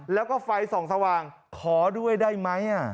แล้วก็ไฟส่องสว่างขอด้วยได้ไหม